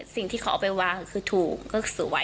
สิ่งที่เขาเอาไปวางคือถูก